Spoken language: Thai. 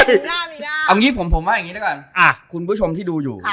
เอาอย่างงี้ผมผมว่าอย่างงี้นะครับอ้าคุณผู้ชมที่ดูอยู่อั๊ะ